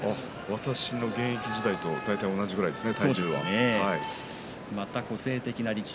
私の現役時代と大体同じぐらいですね。